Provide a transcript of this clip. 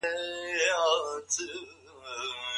نظم ساتل د پلار د کردار یوه مهمه برخه ده.